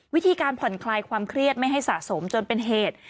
วิธีการผ่อนคลายความเครียดไม่ให้สะสมจนเป็นเหตุ